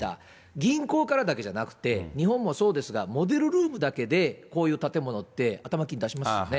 銀行からだけじゃなくて、日本もそうですが、モデルルームだけでこういう建物って、頭金出しますよね。